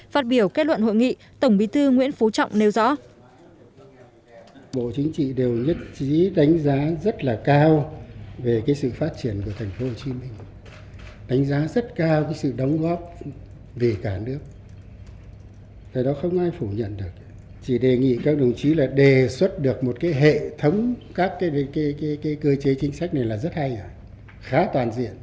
phát biểu kết luận hội nghị tổng bí thư nguyễn phú trọng nêu rõ